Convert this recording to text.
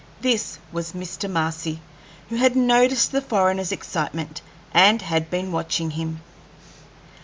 This was Mr. Marcy, who had noticed the foreigner's excitement and had been watching him.